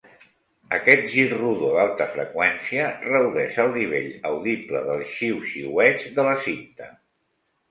Aquest gir rodó d'alta freqüència redueix el nivell audible del xiuxiueig de la cinta.